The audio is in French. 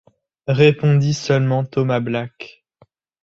répondit seulement Thomas Black.